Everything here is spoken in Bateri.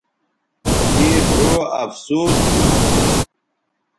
مے ڙھؤ افسوس تھو